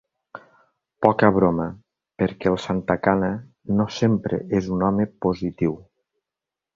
Poca broma, perquè el Santacana no sempre és un home positiu.